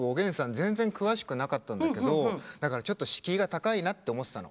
全然、詳しくなかったんだけどだから、ちょっと敷居が高いなって思ってたの。